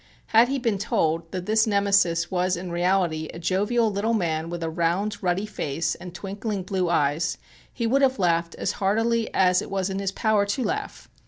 Had he been told that this Nemesis was in reality a jovial little man with a round, ruddy face and twinkling blue eyes he would have laughed as heartily as it was in his power to laugh.